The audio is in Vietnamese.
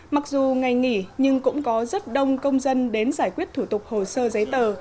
mặc dù ngày nghỉ nhưng cũng có rất đông công dân đến giải quyết thủ tục hồ sơ giấy tờ